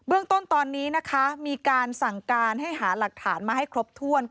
เรื่องต้นตอนนี้นะคะมีการสั่งการให้หาหลักฐานมาให้ครบถ้วน